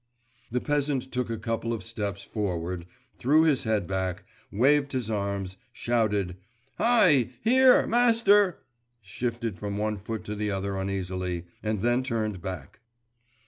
The peasant took a couple of steps forward, threw his head back, waved his arms, shouted 'hi! here! master!' shifted from one foot to the other uneasily, and then turned back.